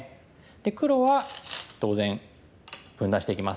で黒は当然分断していきます。